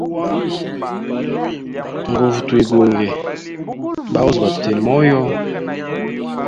Nguve twigunge bahozi batutine moyo.